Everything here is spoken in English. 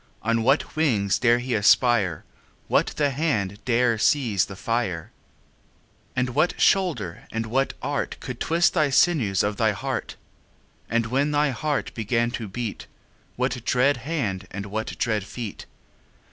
On what wings dare he aspire? What the hand dare seize the fire? And what shoulder and what art Could twist the sinews of thy heart? 10 And when thy heart began to beat, What dread hand and what dread feet?